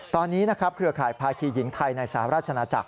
ตอนนี้เครือข่ายพาทีหญิงไทยในสหราชนาจักร